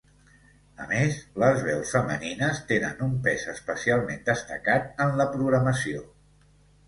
A més, les veus femenines tenen un pes especialment destacat en la programació.